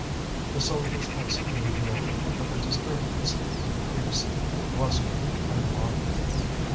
The soldiers executed the order, but the disturbance increased, the blustering, and the mockery.